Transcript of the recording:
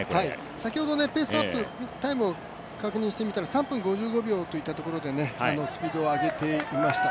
先ほどペースアップタイムを確認してみたら３分５５秒といったところでスピードを上げていました。